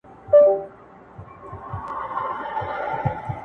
ای د اسلام لباس کي پټ یهوده-